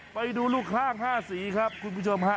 ไปดูลูกข้าง๕สีครับคุณผู้ชมฮะ